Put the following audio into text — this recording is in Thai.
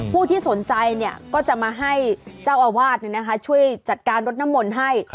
ผู้ที่สนใจก็จะมาให้เจ้าอาวาสช่วยจัดการรถน้ำมนต์ให้